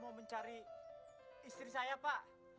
mau mencari istri saya pak